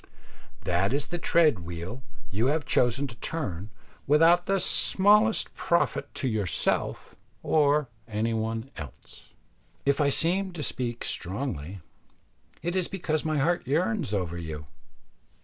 That is the tread wheel you have chosen to turn without the smallest profit to yourself or any one else. If I seem to speak strongly, it is because my heart yearns over you.